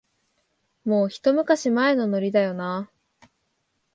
もう、ひと昔前のノリだよなあ